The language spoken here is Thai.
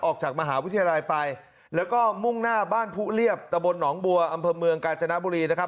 ออกจากมหาวิทยาลัยไปแล้วก็มุ่งหน้าบ้านผู้เรียบตะบนหนองบัวอำเภอเมืองกาญจนบุรีนะครับ